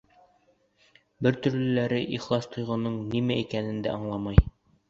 Бер төрлөләре ихлас тойғоноң нимә икәнен дә аңламай.